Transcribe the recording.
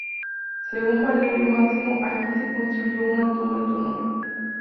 Según Valerio Máximo, allí se construyo una tumba en su honor.